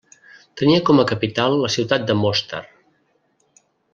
Tenia com a capital la ciutat de Mostar.